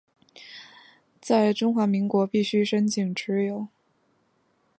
在中华民国必须申请持有。